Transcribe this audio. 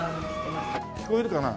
聞こえるかな？